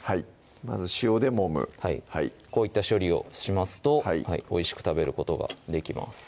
まず塩でもむはいこういった処理をしますと美味しく食べることができます